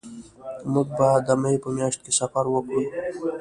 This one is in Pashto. مونږ به د مې په میاشت کې سفر وکړو